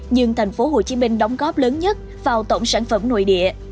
nhưng thành phố hồ chí minh đóng góp lớn nhất vào tổng sản phẩm nội địa